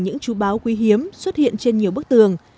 những chú báo quý hiếm xuất hiện trên nhiều bức tường